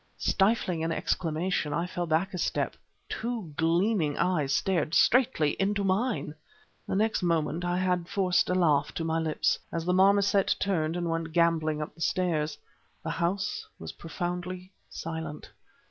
Stifling an exclamation, I fell back a step. Two gleaming eyes stared straightly into mine! The next moment I had forced a laugh to my lips ... as the marmoset turned and went gamboling up the stairs. The house was profoundly silent.